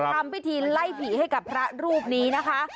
ทำพิธีไล่ผีให้กับพระรูปนี้นะคะ